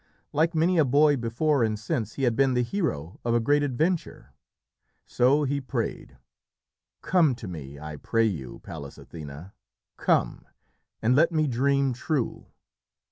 Like many a boy before and since, he had been the hero of a great adventure. So he prayed, "Come to me! I pray you, Pallas Athené, come! and let me dream true."